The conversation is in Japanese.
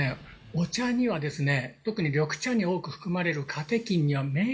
お茶にはですね